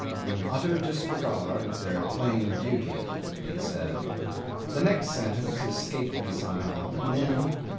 "in utter disregard of their plain duty," it said. The next sentence escaped me somehow, and then